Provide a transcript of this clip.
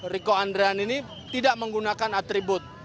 riko andrean ini tidak menggunakan atribut